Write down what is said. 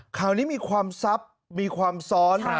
ข่าวนี้มีความซับมีความซ้อน